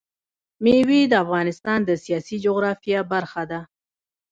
مېوې د افغانستان د سیاسي جغرافیه برخه ده.